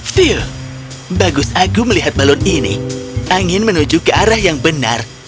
tiup bagus aku melihat balon ini angin menuju ke arah yang benar